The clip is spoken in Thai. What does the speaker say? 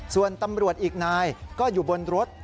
ส่วนตำรวจอีกนายก็อยู่บนรถ